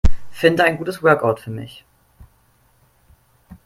Finde ein gutes Workout für mich.